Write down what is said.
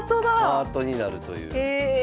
ハートになるという。